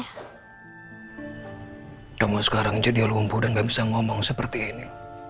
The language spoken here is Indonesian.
hai kamu sekarang jadi lumpuh dan nggak bisa ngomong seperti ini